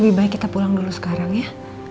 lebih baik kita pulang dulu sekarang ya